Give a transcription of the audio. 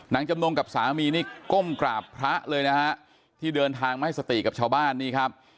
จำนงกับสามีนี่ก้มกราบพระเลยนะฮะที่เดินทางไม่ให้สติกับชาวบ้านนี่ครับ